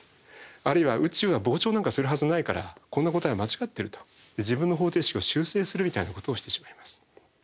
あるいは宇宙は膨張なんかするはずないからこんな答えは間違ってると自分の方程式を修正するみたいなことをしてしまいます。